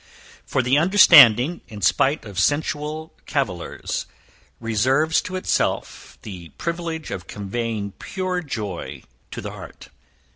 For the understanding, in spite of sensual cavillers, reserves to itself the privilege of conveying pure joy to the heart.